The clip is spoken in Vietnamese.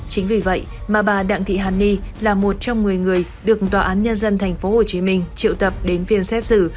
chính vì vậy mà bà đặng thị hàn ni là một trong một mươi người được tòa án nhân dân tp hcm triệu tập đến phiên xét xử